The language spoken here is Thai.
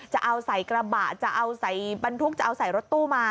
จะเอาใส่กระบะจะเอาใส่บรรทุกจะเอาใส่รถตู้มา